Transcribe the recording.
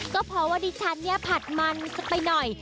ก็เพราะว่าดิฉันเนี่ยผัดมันสักไปหน่อย